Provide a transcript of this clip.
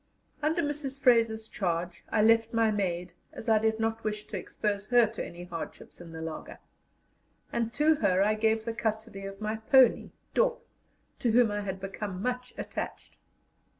Under Mrs. Fraser's charge I left my maid, as I did not wish to expose her to any hardships in the laager; and to her I gave the custody of my pony Dop, to whom I had become much attached.